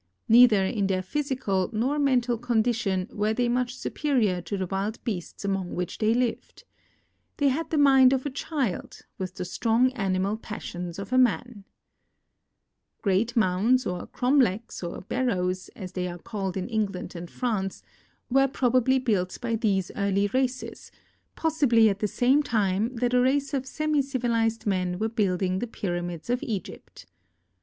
Neither in their physical nor mental condition were they much THE EFFECTS OF GEOGRAPHIC ENVIRON MEXT 167 superior to the wild beasts among which tlicy lived. They ha«l the mind of a child, with the strong animal passions of a man. Great mounds, or cromlechs or barrows, as they are called in England and France, were probably built by these early races, possibly at the same time that a race of semicivilized men were building the pyramids of Egypt.